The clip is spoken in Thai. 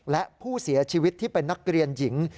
และผู้เสียชีวิตที่เป็นนักเรียนหญิง